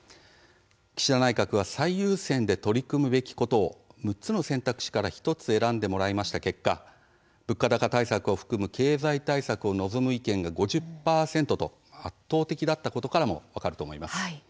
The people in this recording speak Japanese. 岸田内閣が最優先で取り組むべきことを６つの選択肢から１つ選んでもらった結果「物価高対策を含む経済対策」を望む意見が５０％と圧倒的だったことからも分かると思います。